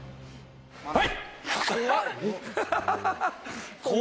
はい！